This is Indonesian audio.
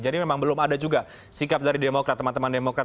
jadi memang belum ada juga sikap dari demokrat teman teman demokrat